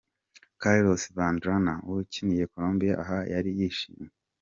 Carlos Valderrama wakiniye Colombia aha yari yishimye .